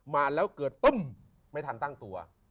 มาแล้วเกิดตุ้มไม่ทันตั้งตัว